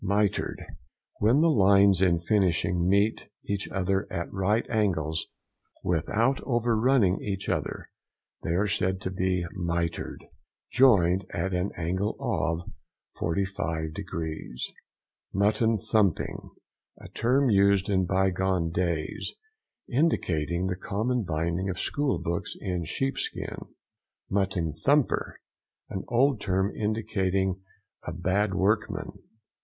MITRED.—When the lines in finishing meet each other at right angles without overrunning each other, they are said to be mitred. Joined at an angle of 45°. MUTTON THUMPING.—A term used in bygone days, indicating the common binding of school books in sheep skin. MUTTON THUMPER.—An old term indicating a bad workman.